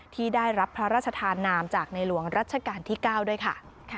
ที่ได้รับพระราชทานนามจากในหลวงรัชกาลที่๙ด้วยค่ะ